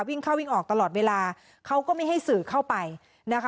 วิ่งเข้าวิ่งออกตลอดเวลาเขาก็ไม่ให้สื่อเข้าไปนะคะ